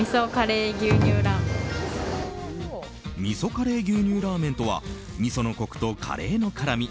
みそカレー牛乳ラーメンとはみそのコクとカレーの辛み